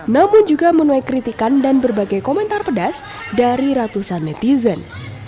namun juga menuai kritikan dan berbagai komentar pedas dari ratusan netizen